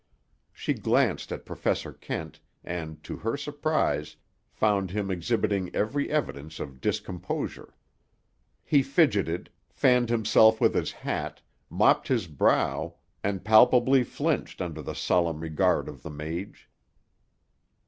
She glanced at Professor Kent, and, to her surprise, found him exhibiting every evidence of discomposure. He fidgeted, fanned himself with his hat, mopped his brow and palpably flinched under the solemn regard of the mage.